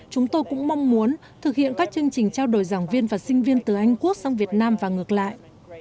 chúng tôi cũng mong muốn thực hiện các chương trình trao đổi giảng viên và sinh viên từ anh quốc sang việt nam và ngược lại